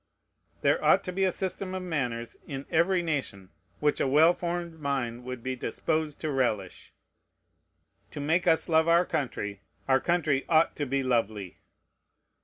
There ought to be a system of manners in every nation which a well formed mind would be disposed to relish. To make us love our country, our country ought to be lovely.